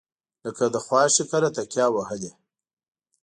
لکه د خواښې کره تکیه وهلې.